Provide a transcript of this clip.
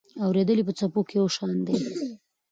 اورېدل په څپو کې یو شان دي.